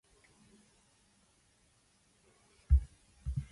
Hermann the First and his wife founded the Augustinian monastery of Backnang Abbey.